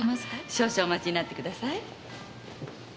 少々お待ちになってください。